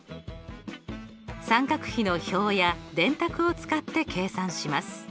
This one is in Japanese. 三角比の表や電卓を使って計算します。